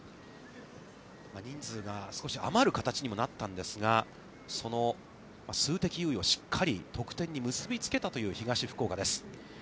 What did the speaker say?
人数が少し余る形にもなったんですが、その数的優位をしっかり得点に結びつけたという東福岡です。